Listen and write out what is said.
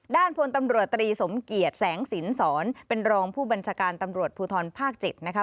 พลตำรวจตรีสมเกียจแสงสินสอนเป็นรองผู้บัญชาการตำรวจภูทรภาค๗นะคะ